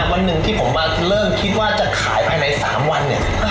วันหนึ่งที่ผมมาเริ่มคิดว่าจะขายภายใน๓วันเนี่ย